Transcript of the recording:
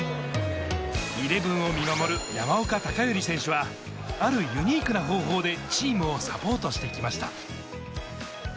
イレブンを見守る山岡宣義選手は、あるユニークな方法でチームをサポートしてきました。